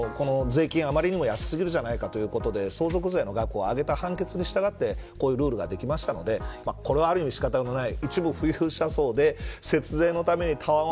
最高裁の判決が税金があまりにも安すぎるんじゃないかということで相続税の額を上げた判決にしたがってこのルールができたのでこれはある意味仕方がない。